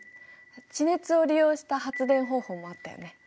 地熱を利用した発電方法もあったよね。